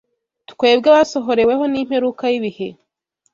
twebwe abasohoreweho n’imperuka y’ibihe